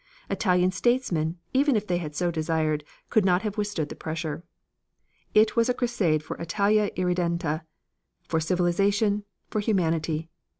Italian statesmen, even if they had so desired, could not have withstood the pressure. It was a crusade for Italia Irredenta, for civilization, for humanity.